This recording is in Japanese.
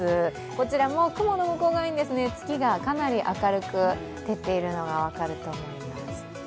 こちらも雲の向こう側に月がかなり明るく照っているのが分かると思います。